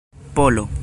polo